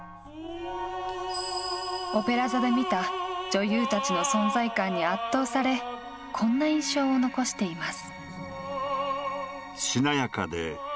オペラ座で見た女優たちの存在感に圧倒されこんな印象を残しています。